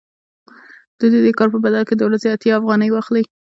دوی د دې کار په بدل کې د ورځې اتیا افغانۍ واخلي